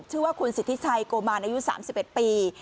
ชื่อว่าคุณสิทธิชัยโกมานอายุสามสิบเอ็ดปี